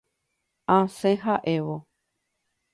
Asẽ ha'évo.